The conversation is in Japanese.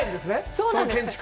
そうなんです。